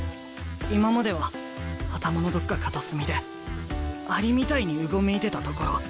今までは頭のどっか片隅でアリみたいにうごめいてたところ。